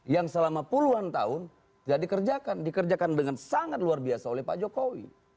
yang selama puluhan tahun tidak dikerjakan dikerjakan dengan sangat luar biasa oleh pak jokowi